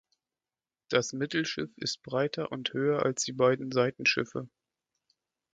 Das Mittelschiff ist breiter und höher als die beiden Seitenschiffe.